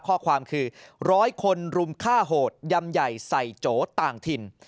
ข้อความคือร้อยคนรุมฆ่าโหดยำใหญ่ใส่โจต่างถิ่น